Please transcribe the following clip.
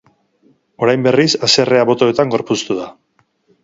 Orain berriz, haserrea botoetan gorpuztu da.